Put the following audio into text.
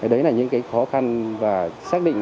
đấy là những khó khăn và xác định